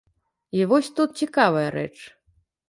І вось тут цікавая рэч.